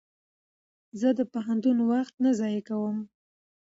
زه د پوهنتون وخت نه ضایع کوم.